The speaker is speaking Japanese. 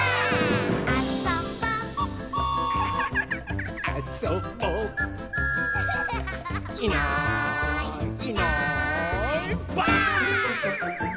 「あそぼ」「あそぼ」「いないいないばあっ！」